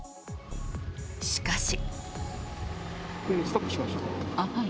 しかし。